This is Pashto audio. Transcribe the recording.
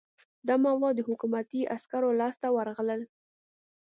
دا مواد د حکومتي عسکرو لاس ته ورغلل.